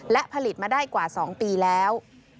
และผลิตมาได้กว่า๒ปีแล้ว